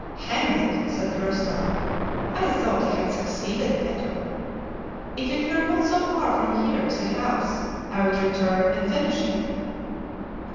"Hang it," said Groslow, "I thought I had succeeded better. If it were not so far from here to the house I would return and finish him."